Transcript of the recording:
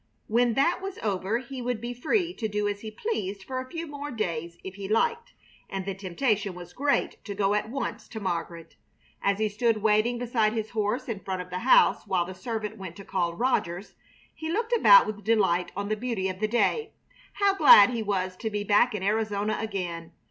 When that was over he would be free to do as he pleased for a few days more if he liked, and the temptation was great to go at once to Margaret. As he stood waiting beside his horse in front of the house while the servant went to call Rogers, he looked about with delight on the beauty of the day. How glad he was to be back in Arizona again!